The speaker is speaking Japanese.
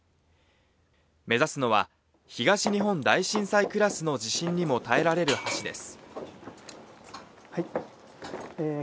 目指すのは東日本大震災クラスの地震にも耐えられる橋です。